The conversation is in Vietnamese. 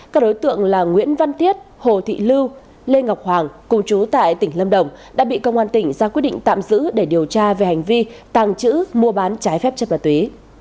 các đối tượng là nguyễn văn thiết hồ thị lưu lê ngọc hoàng cùng chú tại tỉnh lâm đồng đã bị công an tỉnh ra quyết định tạm giữ để điều tra về hành vi tàng trữ mua bán trái phép chất ma túy